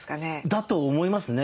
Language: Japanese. だと思いますね。